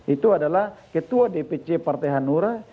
itu adalah ketua dpc partai hanura